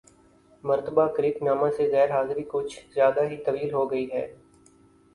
مرتبہ کرک نامہ سے غیر حاضری کچھ زیادہ ہی طویل ہوگئی ہے